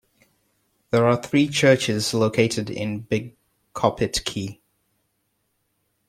There are three churches located on Big Coppitt Key.